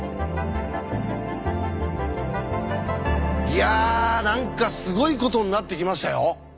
いや何かすごいことになってきましたよ！